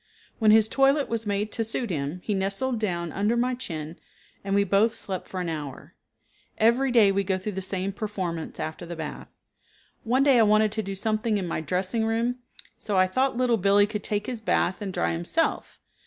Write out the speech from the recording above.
When his toilet was made to suit him he nestled down under my chin, and we both slept for an hour. Every day we go through the same performance after the bath. One day I wanted to do something in my dressing room, so thought Little Billee could take his bath and dry himself.